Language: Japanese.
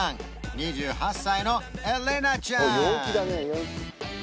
２８歳のエレナちゃん